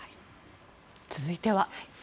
続いては。